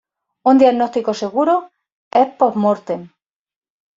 Un diagnóstico seguro es post-mortem.